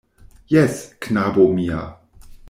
Jes, knabo mia.